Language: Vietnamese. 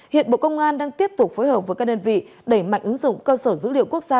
hiện bộ công an đang tiếp tục phối hợp với các đơn vị đẩy mạnh ứng dụng cơ sở dữ liệu quốc gia